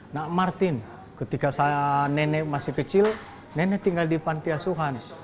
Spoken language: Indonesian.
nak martin ketika saya nenek masih kecil nenek tinggal di pantiasuhan